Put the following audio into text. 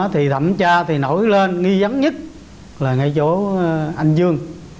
thì thẩm tra thì nổi lên nghi vấn nhất là ngay chỗ anh dương